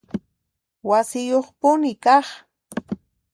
Wasiyuqpuni kaq